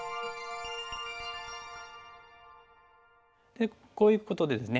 でこういうことでですね